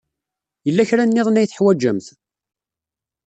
Yella kra niḍen ay teḥwajemt?